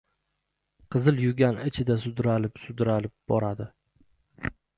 Qizil yugan uchida sudralib-sudralib boradi.